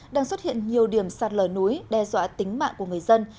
đang xuất hiện nhiều điểm sạt lở núi đe dọa tính mạng của người dân